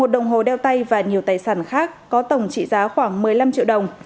một đồng hồ đeo tay và nhiều tài sản khác có tổng trị giá khoảng một mươi năm triệu đồng